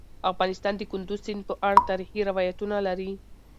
افغانستان د کندز سیند په اړه تاریخي روایتونه لري.